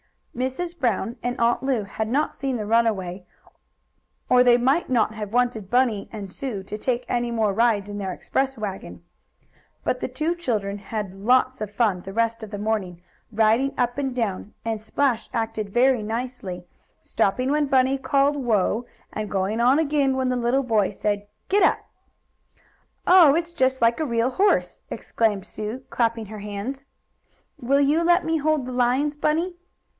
Mrs. Brown and Aunt Lu had not seen the runaway, or they might not have wanted Bunny and Sue to take any more rides in the express wagon. But the two children had lots of fun the rest of the morning, riding up and down, and Splash acted very nicely, stopping when Bunny called "Whoa!" and going on again when the little boy said, "Giddap!" "Oh, it's just like a real horse!" exclaimed Sue, clapping her hands. "Will you let me hold the lines, Bunny?"